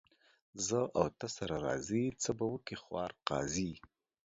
زه او ته سره راضي ، څه به وکي خوار قاضي.